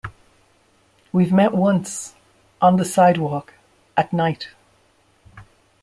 We've met once - on the sidewalk at night.